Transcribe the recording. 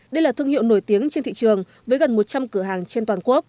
đây là thương hiệu nổi tiếng trên thị trường với gần một trăm linh cửa hàng trên toàn quốc